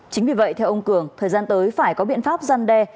chính vì vậy theo ông cường thời gian tới phải có biện pháp gian đe